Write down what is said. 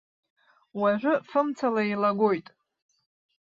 Уажәы фымцала илагоит.